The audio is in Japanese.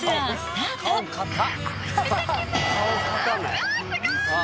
うわすごい！